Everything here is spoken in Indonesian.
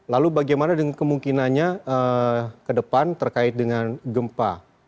lalu bagaimana dengan kemungkinannya ke depan terkait dengan gempa